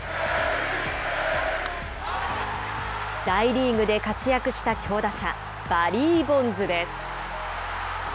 大リーグで活躍した強打者バリー・ボンズです。